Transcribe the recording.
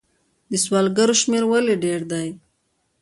د سوالګرو شمیر ولې ډیر دی؟